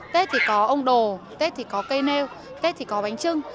tết thì có ông đồ tết thì có cây nêu tết thì có bánh trưng